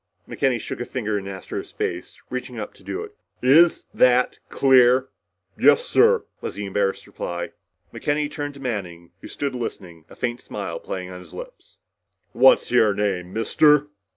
McKenny shook a finger in Astro's face, reaching up to do it. "Is that clear?" "Yes, sir," was the embarrassed reply. McKenny turned to Manning who stood listening, a faint smile playing on his lips. "What's your name, Mister?"